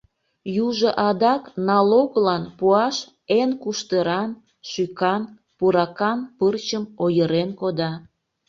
Южо адак налоглан пуаш эн куштыран, шӱкан, пуракан пырчым ойырен кода.